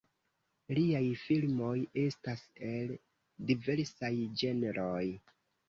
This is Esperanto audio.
Liaj filmoj estas el diversaj ĝenroj.